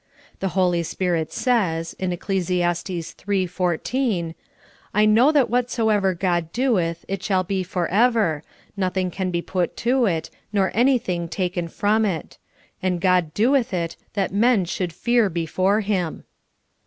The Holy Spirit sa5^s, in Ecc. 3: 14: "I know that whatsoever God doeth, it shall be forever ; nothing can be put to it, nor anything taken from it, and God doeth it that men should fear before Him."